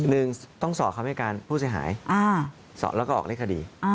หนึ่งต้องสอบคำให้การผู้เสียหายสอบแล้วก็ออกเลขคดี